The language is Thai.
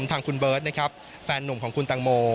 ทางคุณเบิร์ตนะครับแฟนหนุ่มของคุณตังโม